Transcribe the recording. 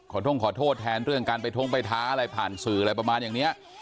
ท่งขอโทษแทนเรื่องการไปท้งไปท้าอะไรผ่านสื่ออะไรประมาณอย่างนี้